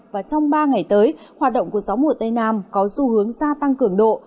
và trong ba ngày tới hoạt động của gió mùa tây nam có xu hướng gia tăng cường độ